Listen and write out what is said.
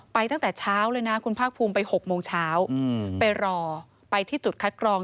ตั้งแต่เช้าเลยนะคุณภาคภูมิไป๖โมงเช้าไปรอไปที่จุดคัดกรอง